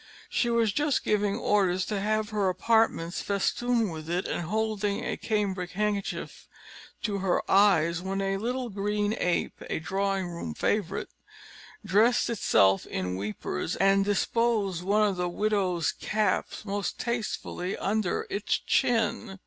She was just giving orders to have her apartments festooned with it, and holding a cambric handkerchief to her eyes, when a little green ape (a drawing room favourite) dressed itself in weepers, and disposed one of the widow's caps most tastefully under its chin.